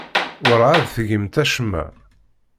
Werɛad tgimt acemma.